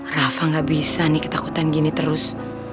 rafa gak bisa nih ketakutan gini terus